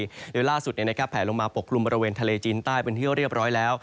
โดยล่าสุดแผลลงมาปกกลุ่มบริเวณทะเลจีนใต้เป็นที่เรียบร้อยแล้ว